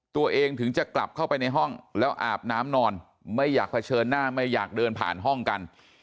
ตัวเองถึงจะกลับเข้าไปในห้องแล้วอาบน้ำนอนไม่อยากเผชิญหน้าไม่อยากเดินผ่านห้องกัน